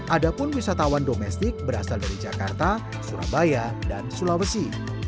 ada pun wisatawan domestik berasal dari jakarta surabaya dan sulawesi